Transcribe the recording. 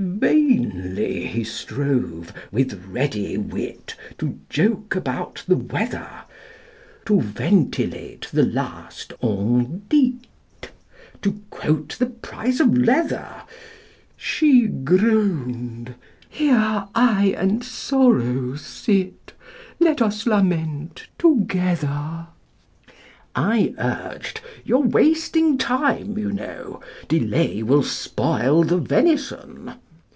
Vainly he strove, with ready wit, To joke about the weather To ventilate the last 'ON DIT' To quote the price of leather She groaned "Here I and Sorrow sit: Let us lament together!" I urged "You're wasting time, you know: Delay will spoil the venison."